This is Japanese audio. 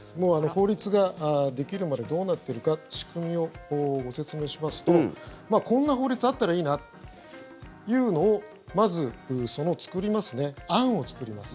法律ができるまでどうなってるか仕組みをご説明しますとこんな法律あったらいいなというのをまず作りますね、案を作ります。